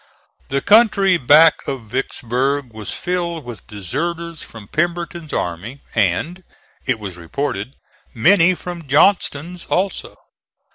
The country back of Vicksburg was filled with deserters from Pemberton's army and, it was reported, many from Johnston's also.